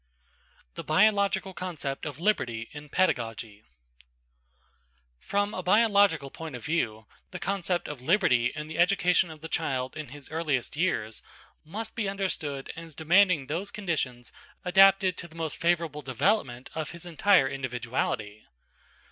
THE BIOLOGICAL CONCEPT OF LIBERTY IN PEDAGOGY From a biological point of view, the concept of liberty in the education of the child in his earliest years must be understood as demanding those conditions adapted to the most favourable development of his entire individuality.